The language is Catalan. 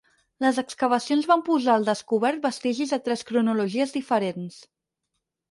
Les excavacions van posar al descobert vestigis de tres cronologies diferents.